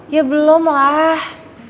ya belum lah